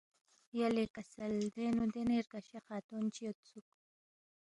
یلے کسل دینگ نُو دینے رگشے خاتون چی یودسُوک